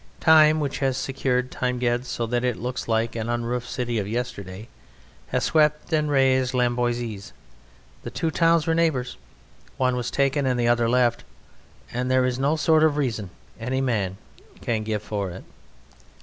Time, which has secured Timgad so that it looks like an unroofed city of yesterday, has swept and razed Laimboesis. The two towns were neighbours one was taken and the other left and there is no sort of reason any man can give for it.